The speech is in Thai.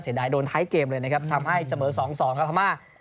เสียดายโดนท้ายเกมเลยนะครับทำให้จะเหมือนสองสองครับภามาร์